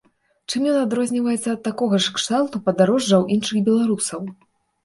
Чым ён адрозніваецца ад такога кшталту падарожжаў іншых беларусаў?